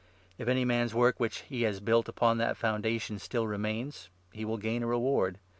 If any man's work, 14 which he has built upon that foundation, still remains, he will gain a reward.